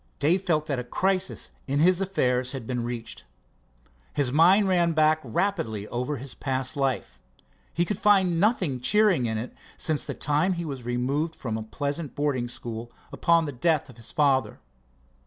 Dave felt that a crisis in his affairs had been reached. His mind ran back rapidly over his past life. He could find nothing cheering in it since the time he was removed from a pleasant boarding school upon the death of his father.